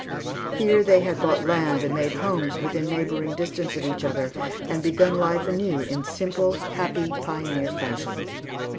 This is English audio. Here they had bought land and made homes within neighboring distance of each other and begun life anew in simple, happy, pioneer fashion.